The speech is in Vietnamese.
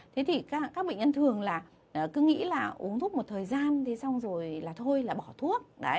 thế thì các bệnh nhân thường là cứ nghĩ là uống thuốc một thời gian thì xong rồi là thôi là bỏ thuốc